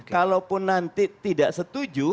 kalaupun nanti tidak setuju